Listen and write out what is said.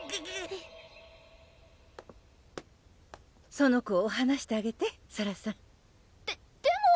その子を放してあげてソラさんででも！